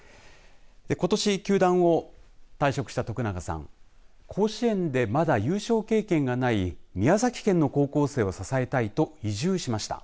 ことし球団を退職した徳永さん甲子園でまだ優勝経験がない宮崎県の高校生を支えたいと移住しました。